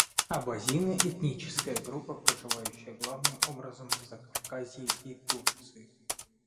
Абазины - этническая группа, проживающая главным образом в Закавказье и Турции.